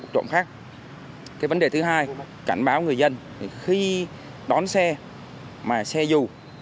cái vấn đề thứ hai cảnh báo người dân thì khi đón xe mà xe dù